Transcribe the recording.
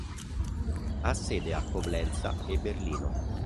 Ha sede a Coblenza e Berlino.